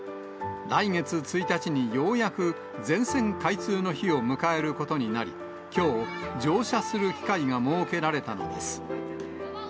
来月１日にようやく全線開通の日を迎えることになり、きょう、乗車する機会が設けられたのです。